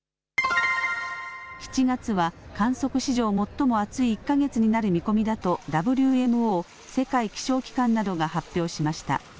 ７月は観測史上、最も暑い１か月になる見込みだとＷＭＯ、世界気象機関などが発表しました。